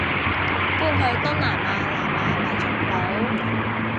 搬去東南亞南亞咪仲好